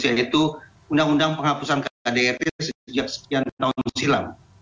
yaitu undang undang penghapusan kdrt sejak sekian tahun silam